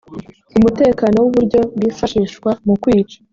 umutekano w uburyo bwifashishwa mu kwica